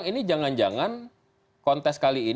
ini sebenarnya pertandingan pks dan pan